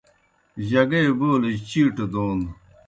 جگے بولِجیْ چِیٹہ دون